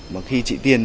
mà khi chị tiên